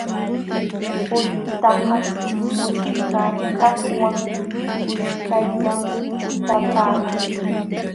Qullutakaq mućhkakaqwan kuskallam kutapaakun.